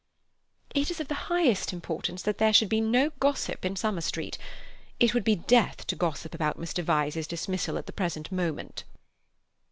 "It is of the highest importance that there should be no gossip in Summer Street. It would be death to gossip about Mr. Vyse's dismissal at the present moment."